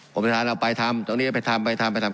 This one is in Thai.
ประพธิษฐานเอาไปทำตรงนี้ไปทำไปทำไปทำ